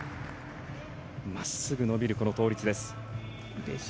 まっすぐ伸びるこの倒立です。